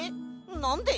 なんで？